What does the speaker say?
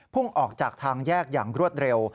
่งออกจากทางแยกอย่างรวดเร็ว